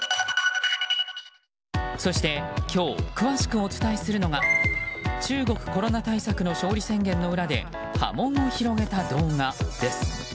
そして、今日詳しくお伝えするのが中国コロナ対策の勝利宣言の裏で波紋を広げた動画です。